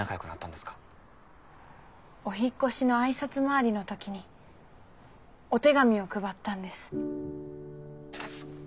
お引っ越しの挨拶回りの時にお手紙を配ったんです。